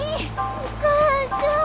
お母ちゃん。